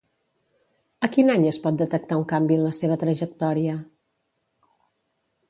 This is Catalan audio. A quin any es pot detectar un canvi en la seva trajectòria?